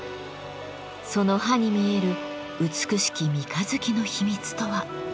その刃に見える美しき三日月の秘密とは。